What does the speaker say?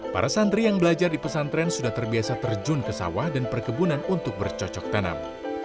para santri yang belajar di pesantren sudah terbiasa terjun ke sawah dan perkebunan untuk bercocok tanam